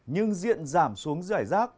nhưng diện giảm xuống giải rác